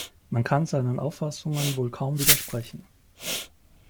Man kann seinen Auffassungen wohl kaum widersprechen.